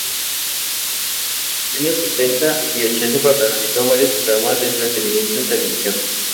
Durante los años setenta y ochenta protagonizó varios programas de entretenimiento en televisión.